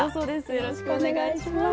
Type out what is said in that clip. よろしくお願いします。